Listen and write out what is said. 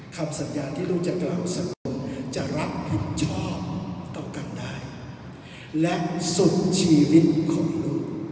คำสัญญาที่ลูกจะกล่าวสังคมจะรับผิดชอบต่อกันได้และสุดชีวิตของลูก